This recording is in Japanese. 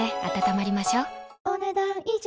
お、ねだん以上。